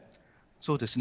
そうですね。